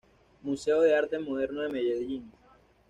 Museo de Arte Moderno de Medellín.